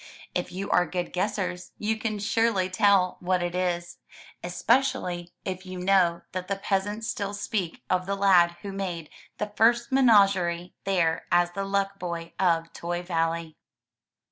If you are good guessers you can surely tell what it is, especially if you know that the peasants still speak of the lad who made the first menagerie there as the Luck Boy of Toy Valley.